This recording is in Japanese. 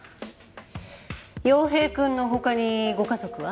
陽平くんの他にご家族は？